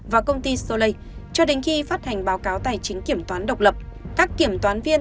và công ty solei cho đến khi phát hành báo cáo tài chính kiểm toán độc lập các kiểm toán viên